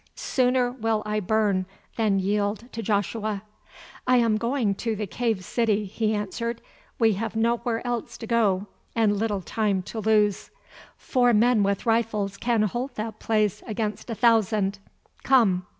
"Sooner will I burn than yield to Joshua." "I am going to the cave city," he answered; "we have nowhere else to go, and little time to lose. Four men with rifles can hold that place against a thousand. Come."